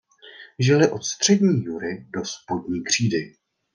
Žili od střední jury do spodní křídy.